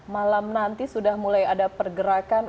malam nanti sudah mulai ada pergerakan